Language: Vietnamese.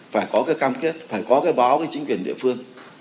phải có cái cam kết phải có cái báo với chính quyền địa phương